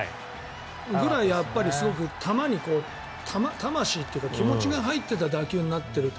それぐらいすごく球に魂というか気持ちが入っていた打球が。